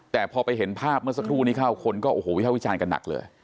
แต่พอไปเห็นภาพเมื่อสักครู่นี้เข้าคนก็โอ้โหวิภาควิจารณ์กันหนักเลย